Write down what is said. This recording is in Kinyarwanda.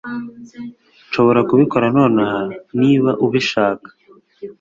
Nshobora kubikora nonaha niba ubishaka.